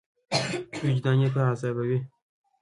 وجدان یې په عذابوي.